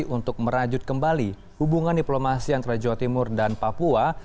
untuk merajut kembali hubungan diplomasi antara jawa timur dan papua